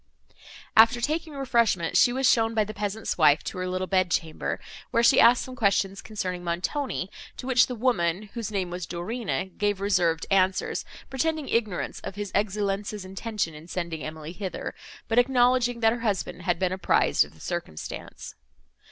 After taking refreshment, she was shown by the peasant's wife to her little bed chamber, where she asked some questions concerning Montoni, to which the woman, whose name was Dorina, gave reserved answers, pretending ignorance of his Excellenza's intention in sending Emily hither, but acknowledging that her husband had been apprized of the circumstance.